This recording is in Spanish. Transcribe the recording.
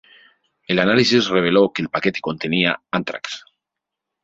El análisis reveló que el paquete contenía ántrax.